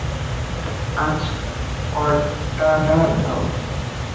আজ কর্টাডা দাও।